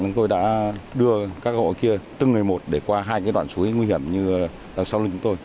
chúng tôi đã đưa các hộ kia từng người một để qua hai đoạn suối nguy hiểm như sau lưng chúng tôi